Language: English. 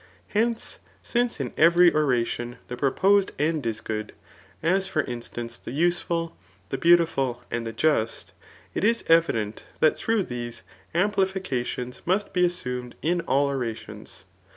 Hence, since in every oradon the proposed end is good ; as for instance, the useful, the beautiful, and the just, it is evident that through these^ amplifications must be assumed in all orations.